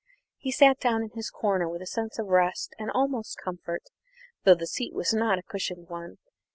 He sat down in his corner with a sense of rest and almost comfort, though the seat was not a cushioned one.